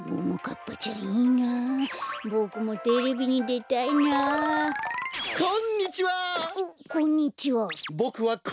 おっこんにちは。